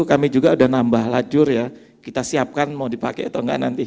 kami juga sudah nambah lajur ya kita siapkan mau dipakai atau enggak nanti